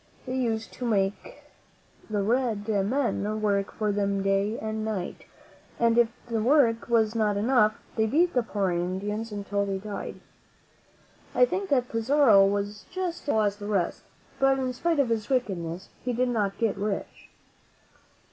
They used to make the red men work for them day and night, and if the work was not enough, they beat the poor Indians until they died. I think that Pizarro was just as cruel as the rest; but in spite of his wickedness he did not get rich.